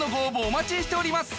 お待ちしております